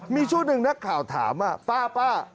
มีชุดหนึ่งนักข่าวถามป้า